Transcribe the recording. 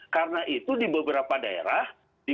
karena itu di beberapa daerah